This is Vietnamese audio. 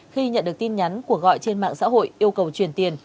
khi nhận được tin nhắn của gọi trên mạng xã hội yêu cầu truyền tiền